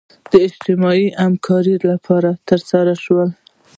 د اجتماعي همکاریو لپاره ترسره شوي.